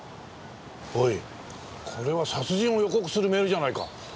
おいこれは殺人を予告するメールじゃないか。